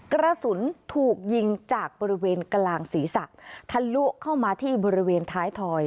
กระสุนถูกยิงจากบริเวณกลางศีรษะทะลุเข้ามาที่บริเวณท้ายถอย